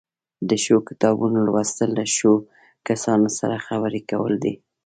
د ښو کتابونو لوستل له ښو کسانو سره خبرې کول دي.